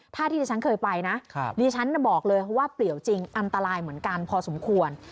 ถ้าที่ดิฉันเคยไปนะดิฉันบอกเลยว่าเปลี่ยวจริงอันตรายเหมือนกันพอสมควร